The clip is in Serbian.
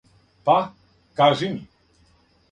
Па, кажи ми!